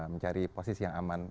mencari posisi yang aman